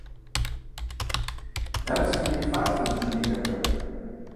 Нэпсым ирифат фызыжьым и нэхэр.